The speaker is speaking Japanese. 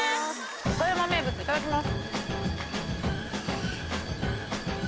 岡山名物いただきます。